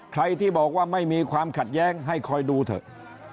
ใครที่บอกว่าไม่มีความขัดแย้งให้คอยดูเถอะ